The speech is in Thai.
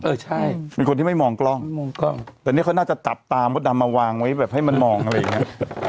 เออใช่เป็นคนที่ไม่มองกล้องมองกล้องแต่นี่เขาน่าจะจับตามดดำมาวางไว้แบบให้มันมองอะไรอย่างเงี้ย